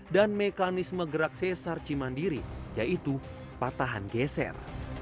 dan mekanisme gerak sesar cimandiri yaitu patahan geser